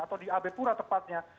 atau di abe pura tepatnya